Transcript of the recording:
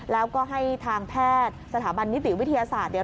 แล้วก็ให้ทางแพทย์สถาบันนิติวิทยาศาสตร์เนี่ย